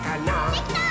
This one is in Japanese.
できたー！